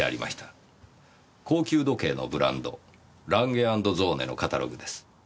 高級時計のブランドランゲ＆ゾーネのカタログです。